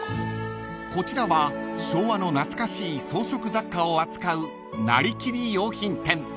［こちらは昭和の懐かしい装飾雑貨を扱うナリキリ洋品店］